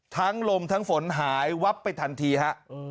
ลมทั้งฝนหายวับไปทันทีฮะ